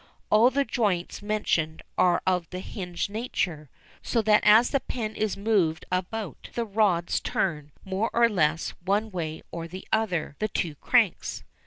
All the joints mentioned are of the hinge nature, so that as the pen is moved about the rods turn, more or less, one way or the other, the two cranks.